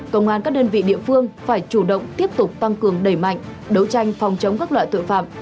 công an các đơn vị địa phương phải chủ động tiếp tục tăng cường đẩy mạnh đấu tranh phòng chống các loại tội phạm